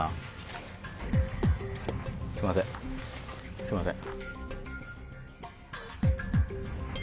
すいませんすいません。